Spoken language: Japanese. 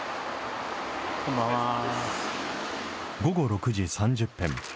午後６時３０分。